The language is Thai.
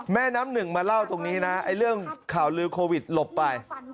แม่น้ำหนึ่งมาเล่าตรงนี้นะไอ้เรื่องข่าวลือโควิดหลบไป